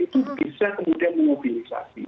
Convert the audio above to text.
itu bisa kemudian mengobilisasi